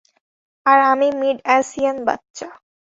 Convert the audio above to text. আর আমি মিডঅ্যাসিয়ান বাচ্চা।